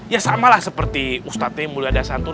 ya samalah seperti ustadznya mulya dasantur